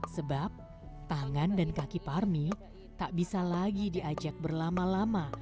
sebab tangan dan kaki parmi tak bisa lagi diajak berlama lama